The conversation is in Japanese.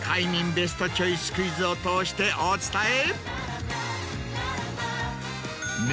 ベストチョイスクイズを通してお伝え。